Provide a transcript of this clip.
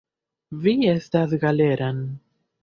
Vi estas Galeran.